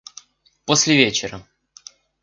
После вечера.